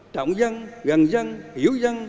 trọng dân gần dân hiểu dân